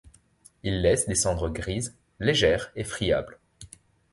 Il laisse des cendres grises, légères et friables.